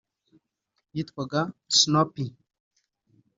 yitwaga Snuppy